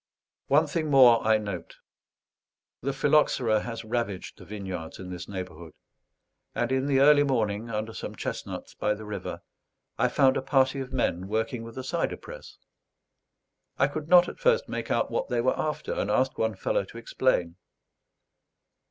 One thing more I note. The phylloxera has ravaged the vineyards in this neighbourhood; and in the early morning, under some chestnuts by the river, I found a party of men working with a cider press. I could not at first make out what they were after, and asked one fellow to explain.